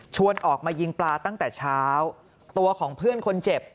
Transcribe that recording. ออกมายิงปลาตั้งแต่เช้าตัวของเพื่อนคนเจ็บ